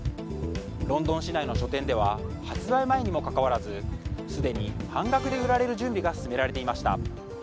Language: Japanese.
ロンドン市内の書店では発売前にもかかわらずすでに半額で売られる準備が進められていました。